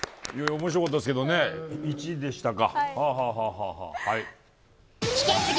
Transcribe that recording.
面白かったですけどね、１でしたか。